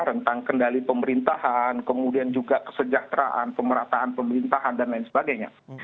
rentang kendali pemerintahan kemudian juga kesejahteraan pemerataan pemerintahan dan lain sebagainya